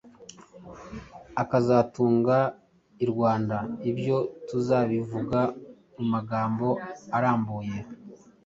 akazatunguka i Rwanda. Ibyo tuzabivuga mu magambo arambuye